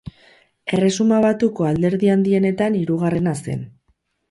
Erresuma Batuko alderdi handienetan hirugarrena zen.